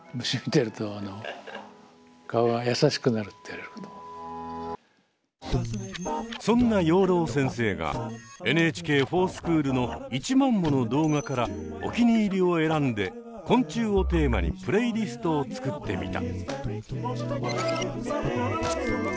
ふだんよっぽどそんな養老先生が「ＮＨＫｆｏｒＳｃｈｏｏｌ」の１万もの動画からおきにいりを選んで「昆虫」をテーマにプレイリストを作ってみた。